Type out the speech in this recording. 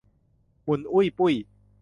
มุ่นอุ้ยปุ้ย